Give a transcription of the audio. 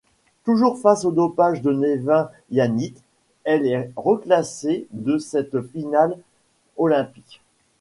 Toujours face au dopage de Nevin Yanıt, elle est reclassée de cette finale olympique.